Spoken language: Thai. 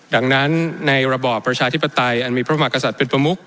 ดังนั้นในระบอบประชาธิปไตยมีเป็นประมุข